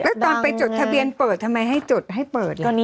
แล้วตอนไปจดทะเบียนเปิดทำไมให้จดให้เปิดล่ะ